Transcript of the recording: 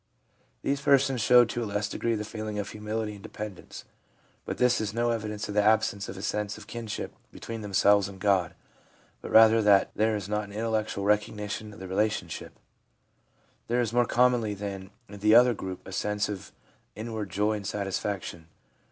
These persons show to a less degree the feeling of humility and dependence ; but this is no evidence of the absence of a sense of kinship between themselves and God, but rather that there is not an intellectual recognition of the relation ship. There is more commonly than in the other group a sense of inward joy and satisfaction.